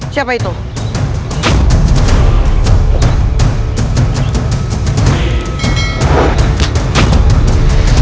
waalaikumsalam syekh guru